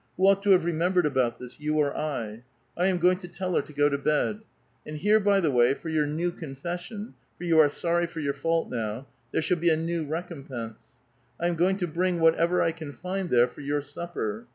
Who ought to have remembered about this, you or I? I am going to. tell her to go to bed. And here, by the way, for your new confession — for you are sorry for your fault now — thera shall be a new recompense. I am going to bring whatever I can find there for your supper.